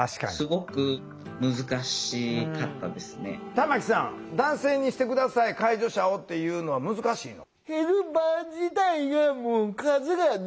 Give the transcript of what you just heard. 玉木さん「男性にして下さい介助者を」っていうのは難しいの？